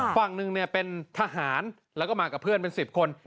ฝั่งหนึ่งเป็นทหารแล้วก็มากับเพื่อนเป็น๑๐คน